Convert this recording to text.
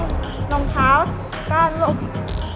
ใช้ทั้งเท้าทั้งนมเท้า